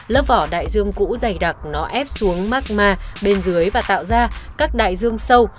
lớp vỏ đại dương cũ dày đặc nó ép xuống makma bên dưới và tạo ra các đại dương sâu